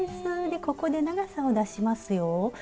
でここで長さを出しますよ。